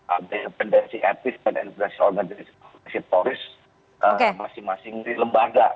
independensi etis independensi organisatoris masing masing di lembaga